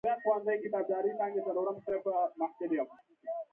په تناره کې دوه تورې غټې چايجوشې ايښې وې.